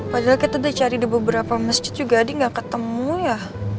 padahal kita udah cari di beberapa masjid juga adi nggak ketemu ya